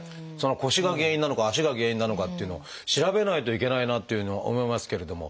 腰が原因なのか足が原因なのかっていうのを調べないといけないなっていうふうに思いますけれども。